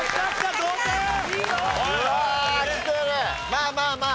まあまあまあ。